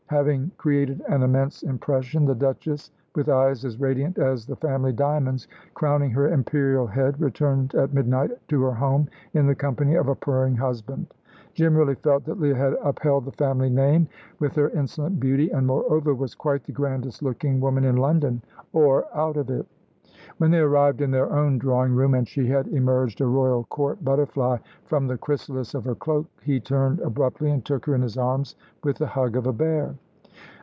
Having created an immense impression, the Duchess, with eyes as radiant as the family diamonds crowning her imperial head, returned at midnight to her home in the company of a purring husband. Jim really felt that Leah had upheld the family name with her insolent beauty, and moreover, was quite the grandest looking woman in London, or out of it. When they arrived in their own drawing room, and she had emerged a royal court butterfly from the chrysalis of her cloak, he turned abruptly and took her in his arms with the hug of a bear.